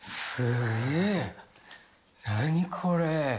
何これ？